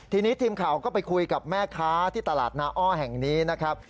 ทีนี้ทีมข่าวก็ไปคุยกับแม่ค้าที่ตลาดนาอ้อแห่งนี้นะครับ